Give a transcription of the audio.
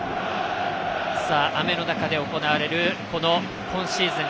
雨の中で行われる今シーズン